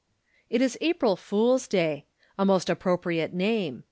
It is April Fool's Day. A most appropriate name.